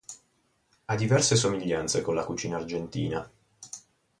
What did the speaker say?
Ha diverse somiglianze con la cucina argentina.